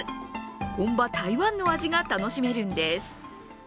本場・台湾の味が楽しめるんです。